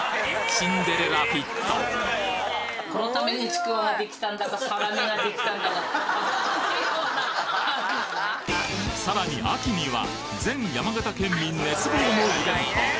シンデレラフィットさらに秋には全山形県民熱望のイベント